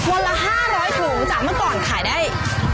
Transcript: วันละ๕๐๐ถุงจากเมื่อก่อนขายได้